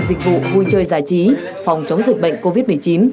dịch vụ vui chơi giải trí phòng chống dịch bệnh covid một mươi chín